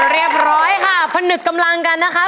เรียบร้อยค่ะผนึกกำลังกันนะคะ